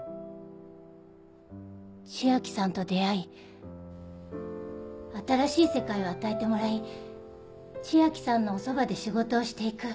千明さんと出会い新しい世界を与えてもらい千明さんのおそばで仕事をしていく。